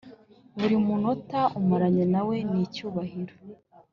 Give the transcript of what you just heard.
buri umunota umaranye nawe ni icyubahiro,